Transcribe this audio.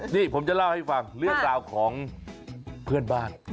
นี่ผมจะเล่าให้ฟังเรื่องราวของเพื่อนบ้าน